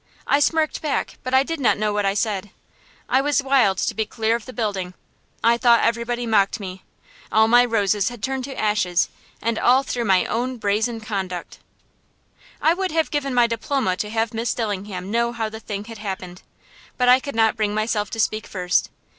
I smirked back, but I did not know what I said. I was wild to be clear of the building. I thought everybody mocked me. All my roses had turned to ashes, and all through my own brazen conduct. I would have given my diploma to have Miss Dillingham know how the thing had happened, but I could not bring myself to speak first.